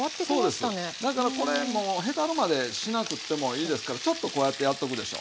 だからこれもうへたるまでしなくってもいいですからちょっとこうやってやっとくでしょ。